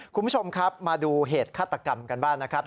คุณผู้ชมครับมาดูเหตุฆาตกรรมกันบ้างนะครับ